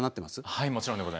はいもちろんでございます。